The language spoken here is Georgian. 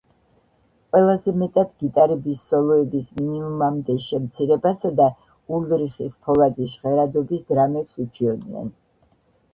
ყველაზე მეტად გიტარების სოლოების მინიმუმამდე შემცირებასა და ულრიხის ფოლადის ჟღერადობის დრამებს უჩიოდნენ.